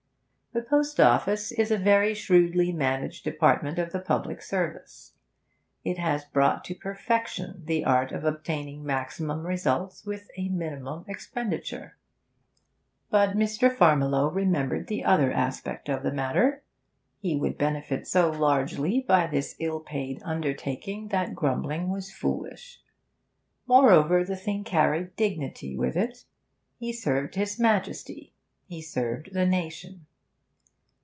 The Post Office is a very shrewdly managed department of the public service; it has brought to perfection the art of obtaining maximum results with a minimum expenditure. But Mr. Farmiloe remembered the other aspect of the matter; he would benefit so largely by this ill paid undertaking that grumbling was foolish. Moreover, the thing carried dignity with it; he served his Majesty, he served the nation.